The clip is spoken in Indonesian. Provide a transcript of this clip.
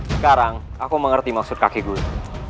sekarang aku mengerti maksud kakek guru